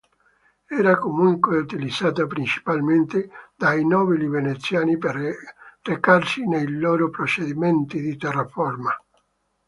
Era comunque utilizzata principalmente dai nobili veneziani per recarsi nei loro possedimenti di terraferma.